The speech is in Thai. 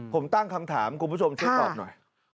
ผมตั้งคำถามคุณผู้ชมช่วยตอบหน่อย